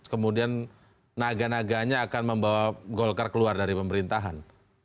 kemudian naga naganya akan membawa golkar keluar dari pemerintahan